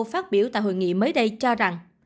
phát biểu tại hội nghị mới đây cho rằng